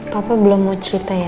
papa belum mau cerita ya sama aku ya